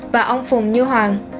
và ông phùng như hoàng